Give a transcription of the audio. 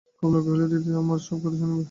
কমলা কহিল, দিদি, আমার সব কথা তুমি শুনিবে?